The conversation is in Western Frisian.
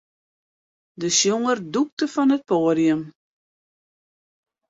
De sjonger dûkte fan it poadium.